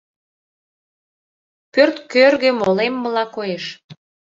Пӧрт кӧргӧ молеммыла коеш.